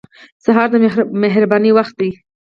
سهار د مهربانۍ وخت دی.